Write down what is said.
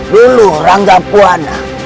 dulu rangga buwana